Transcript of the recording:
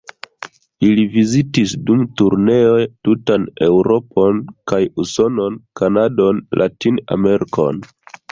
Ili vizitis dum turneoj tutan Eŭropon kaj Usonon, Kanadon, Latin-Amerikon.